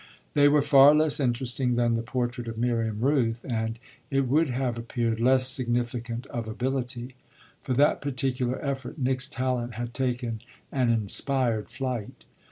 They were far less interesting than the portrait of Miriam Rooth and, it would have appeared, less significant of ability. For that particular effort Nick's talent had taken an inspired flight.